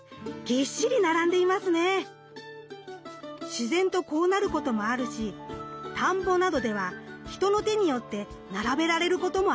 自然とこうなることもあるし田んぼなどでは人の手によって並べられることもあるんです。